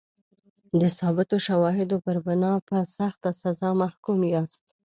د ثابتو شواهدو پر بنا په سخته سزا محکوم یاست.